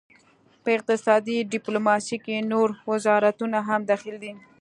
په اقتصادي ډیپلوماسي کې نور وزارتونه هم دخیل دي